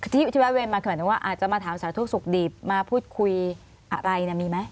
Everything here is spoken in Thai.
ที่แวะเวียนมาขนาดนี้ว่าอาจจะมาถามสาธุสุขดิบมาพูดคุยอะไรมีไหม